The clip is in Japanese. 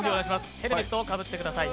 ヘルメットをかぶってください。